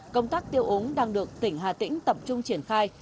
công tác tiêu úng đang được tỉnh hà tĩnh tập trung triển khai